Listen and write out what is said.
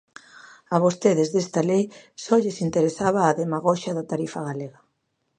A vostedes, desta lei, só lles interesaba a demagoxia da tarifa galega.